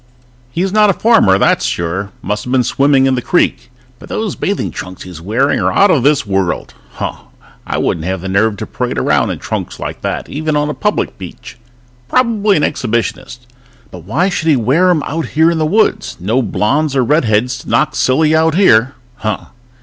_He's not a farmer, that's sure ... must have been swimming in the creek, but those bathing trunks he's wearing are out of this world!_ _Huh! I wouldn't have the nerve to parade around in trunks like that even on a public beach. Probably an exhibitionist ... But why should he wear 'em out here in the woods? No blonds or redheads to knock silly out here!_ _Huh!